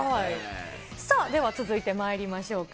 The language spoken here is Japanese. さあ、では続いてまいりましょうか。